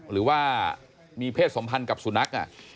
หรือว่ามีเพศสมพันธ์กับสุนัข